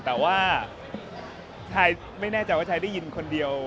แต่ว่าชายไม่แน่ใจว่าชายได้ยินคนเดียว